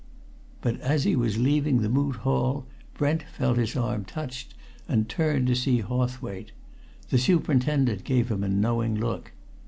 But as he was leaving the Moot Hall, Brent felt his arm touched and turned to see Hawthwaite. The superintendent gave him a knowing look.